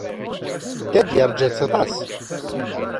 Ted yeṛja-tt aṭas.